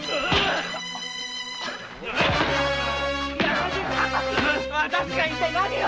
貴様私が一体何を？